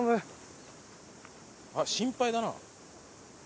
あっ心配だな。